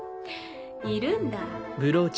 いるんだ。